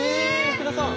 福田さん。